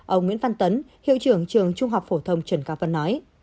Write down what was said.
ông nguyễn văn tấn hiệu trưởng trường trung học phổ thông trần cao vân nói